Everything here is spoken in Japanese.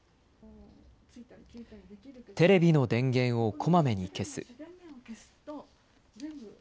テレビの電源をこまめに消す。